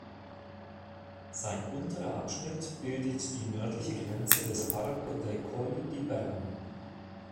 Sein unterer Abschnitt bildet die nördliche Grenze des Parco dei Colli di Bergamo.